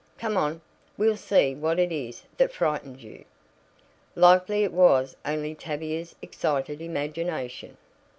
Come on; we'll see what it is that frightened you. Likely it was only Tavia's excited imagination."